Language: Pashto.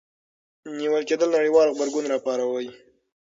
نیول کېدل نړیوال غبرګون راوپاروه.